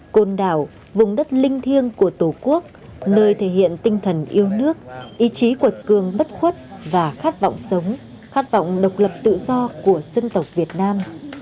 côn đảo vùng đất linh thiêng của tổ quốc nơi thể hiện tinh thần yêu nước ý chí cuột cường bất khuất và khát vọng sống khát vọng độc lập tự do của dân tộc việt nam